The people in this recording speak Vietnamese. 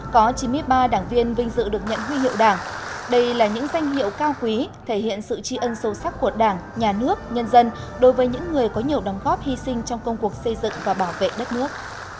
có chín mươi ba đảng viên vinh dự được nhận huy hiệu đảng đây là những danh hiệu cao quý thể hiện sự tri ân sâu sắc của đảng nhà nước nhân dân đối với những người có nhiều đóng góp hy sinh trong công cuộc xây dựng và bảo vệ đất nước